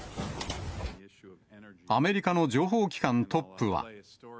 アメリカの情報機関トップは。